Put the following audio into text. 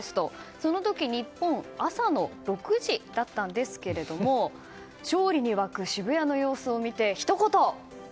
その時、日本は朝の６時だったんですけれども勝利に沸く渋谷の様子を見てひと言。